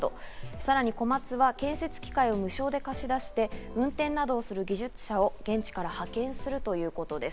さらにコマツは建設機械を無償で貸し出して、運転などをする技術者を現地から派遣するということです。